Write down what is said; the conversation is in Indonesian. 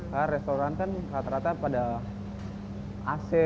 karena restoran kan rata rata pada ac